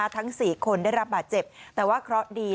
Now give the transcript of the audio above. ทั้ง๔คนได้รับบาดเจ็บแต่ว่าเคราะห์ดี